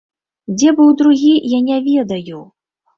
Дзе быў другі, я не ведаю.